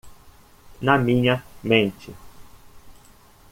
Na minha mente